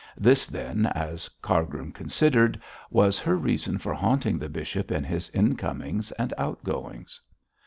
This then, as Cargrim considered, was her reason for haunting the bishop in his incomings and outgoings.